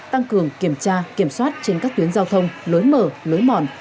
tăng cường kiểm tra kiểm soát trên các tuyến giao thông lối mở lối mòn